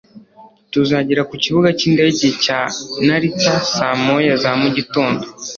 Tuzagera ku kibuga cy'indege cya Narita saa moya za mugitondo